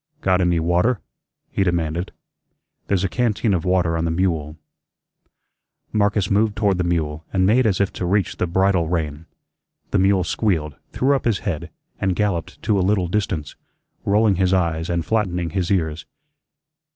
"Got any water?" he demanded. "There's a canteen of water on the mule." Marcus moved toward the mule and made as if to reach the bridle rein. The mule squealed, threw up his head, and galloped to a little distance, rolling his eyes and flattening his ears.